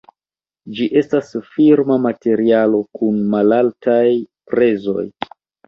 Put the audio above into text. Ĝi estas firma materialo kun malaltaj prezoj.